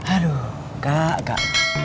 aduh kak kak